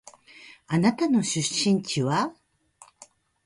あなたの出身地は？